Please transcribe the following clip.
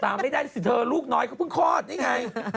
ไม่ได้สิเธอลูกน้อยเขาเพิ่งคลอดนี่ไง